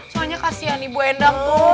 soalnya kasihan ibu endang tuh